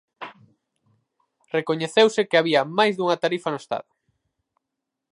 Recoñeceuse que había máis dunha tarifa no Estado.